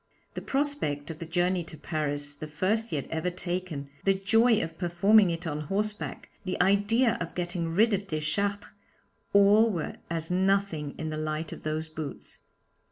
The prospect of the journey to Paris the first he had ever taken the joy of performing it on horseback, the idea of getting rid of Deschartres, all were as nothing in the light of those boots.